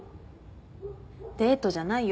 デートじゃないよ。